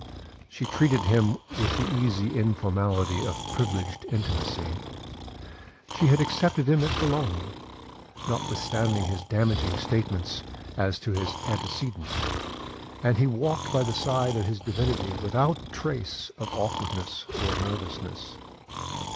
She treated him with the easy informality of privileged intimacy. She had accepted him as belonging, notwithstanding his damaging statements as to his antecedents, and he walked by the side of his divinity without a trace of awkwardness or nervousness.